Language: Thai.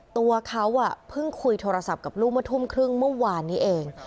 ตัวเขาเพิ่งคุยโทรศัพท์กับลูกเมื่อทุ่มครึ่งเมื่อวานนี้เอง